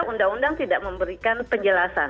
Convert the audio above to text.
undang undang tidak memberikan penjelasan